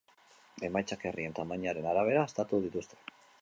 Emaitzak herrien tamainaren arabera haztatu dituzte.